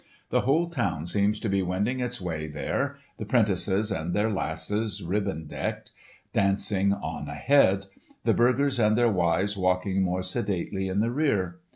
The whole town seems to be wending its way there, the 'prentices and their lasses, ribbon decked, dancing on ahead, the burghers and their wives walking more sedately in the rear.